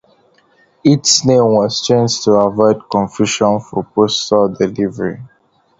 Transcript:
Its name was changed to avoid confusion for postal delivery.